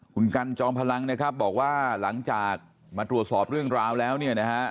คุณกันจอมพลังนะครับบอกว่าหลังจากมาตรวจสอบเรื่องราวแล้วเนี่ยนะฮะ